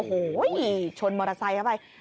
โอ้โหชนมอเตอร์ไซค์เข้าไป